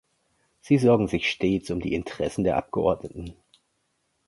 Sie sorgen sich stets um die Interessen der Abgeordneten!